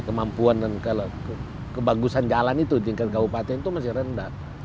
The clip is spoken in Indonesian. kemampuan dan kebagusan jalan itu tingkat kabupaten itu masih rendah